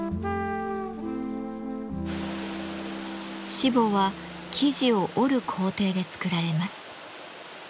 しぼは生地を織る工程で作られます。